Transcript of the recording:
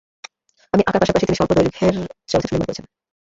ছবি আকার পাশাপাশি তিনি স্বল্প দৈর্ঘ্যের চলচ্চিত্র নির্মান করেছেন।